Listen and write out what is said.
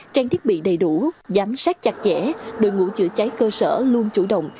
trang thiết bị đầy đủ giám sát chặt chẽ đội ngũ chữa cháy cơ sở luôn chủ động